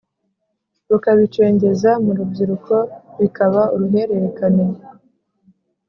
rukabicengeza mu rubyiruko bikaba uruhererekane